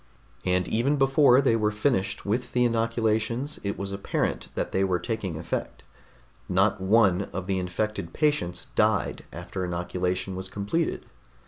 And even before they were finished with the inoculations, it was apparent that they were taking effect. Not one of the infected patients died after inoculation was completed.